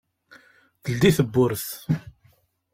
Teldi tewwurt.